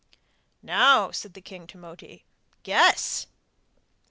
'Now,' said the king to Moti, 'guess!